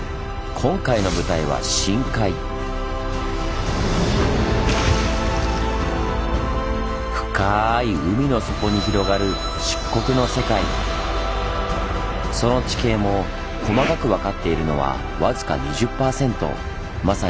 今回の舞台は深い海の底に広がるその地形も細かく分かっているのは僅か２０％。